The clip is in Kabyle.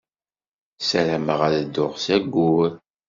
Ssarameɣ ad dduɣ s Ayyur.